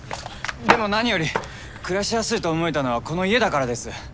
でも何より暮らしやすいと思えたのはこの家だからです。